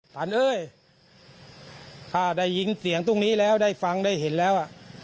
ตันเอ้ยถ้าได้ยินเสียงตรงนี้แล้วได้ฟังได้เห็นแล้ว